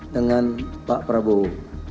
dengan pak prabowo